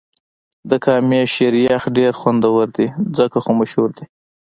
د کامی شیر یخ ډېر خوندور دی ځکه خو مشهور دې.